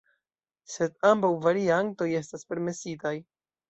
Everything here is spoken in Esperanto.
Sed ambaŭ variantoj estas permesitaj.